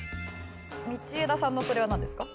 道枝さんのそれはなんですか？